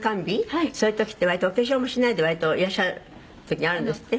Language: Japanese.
「そういう時って割とお化粧もしないでいらっしゃる時があるんですって？」